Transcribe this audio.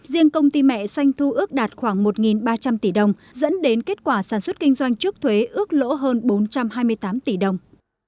riêng công ty mẹ xoanh thu ước đạt khoảng một ba trăm linh tỷ đồng dẫn đến kết quả sản xuất kinh doanh trước thuế ước lỗ hơn bốn trăm hai mươi tám tỷ đồng